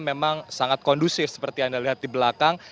memang sangat kondusif seperti anda lihat di belakang